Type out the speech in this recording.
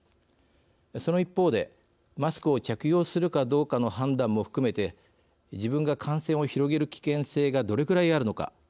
その一方でマスクを着用するかどうかの判断も含めて自分が感染を広げる危険性がどれくらいあるのか。